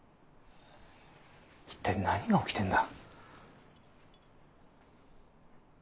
一体何が起きてんだ？